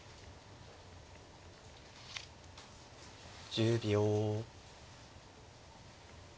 １０秒。